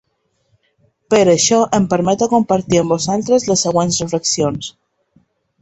Per això em permeto compartir amb vosaltres les següents reflexions.